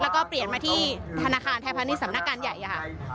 แล้วก็เปลี่ยนมาที่ธนาคารไทยพาณิชย์สำนักการใหญ่ค่ะ